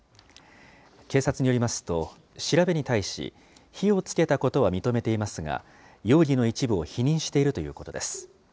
警察によりますと、調べに対し、火をつけたことは認めていますが、容疑の一部を否認しているということです。